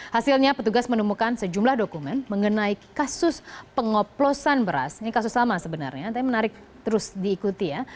hasilnya petugas menemukan sejumlah dokumen mengenai kasus pengoplosan beras ini kasus sama sebenarnya tapi menarik terus diikuti ya